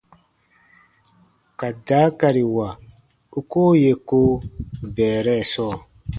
Ka daakariwa u koo yè ko bɛɛrɛ sɔɔ.